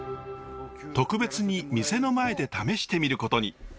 特別に店の前で試してみることに。